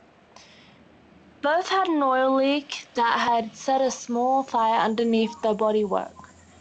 Both had an oil leak that had set a small fire underneath the bodywork.